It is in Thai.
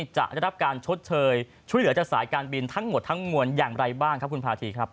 จะได้รับการชดเชยช่วยเหลือจากสายการบินทั้งหมดทั้งมวลอย่างไรบ้างครับคุณพาธีครับ